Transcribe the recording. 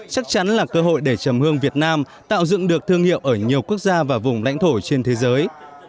chắc chắn là cơ hội để chầm hương việt nam tạo dựng được thương hiệu ở nhiều quốc gia và vùng lãnh thổ trên thế giới